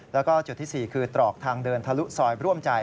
แล้วก็จุดที่๔คือตรอกทางเดินทะลุซอยร่วมใจ